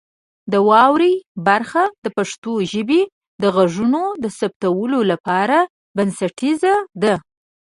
د واورئ برخه د پښتو ژبې د غږونو د ثبتولو لپاره بنسټیزه ده.